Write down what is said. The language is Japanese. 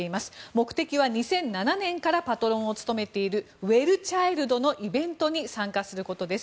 目的は２００７年からパトロンを務めているウェルチャイルドのイベントに参加することです。